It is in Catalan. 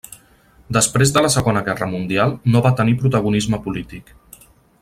Després de la Segona Guerra Mundial no va tenir protagonisme polític.